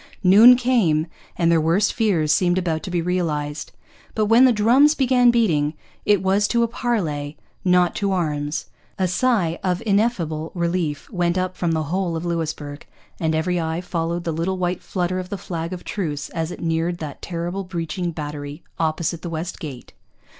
Noon came, and their worst fears seemed about to be realized. But when the drums began beating, it was to a parley, not to arms. A sigh of ineffable relief went up from the whole of Louisbourg, and every eye followed the little white flutter of the flag of truce as it neared that terrible breaching battery opposite the West Gate.